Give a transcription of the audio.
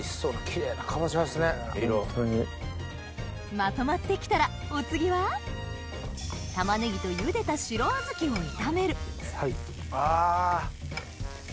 まとまって来たらお次は玉ねぎとゆでた白小豆を炒めるあ！